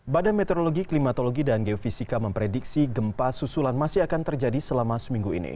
badan meteorologi klimatologi dan geofisika memprediksi gempa susulan masih akan terjadi selama seminggu ini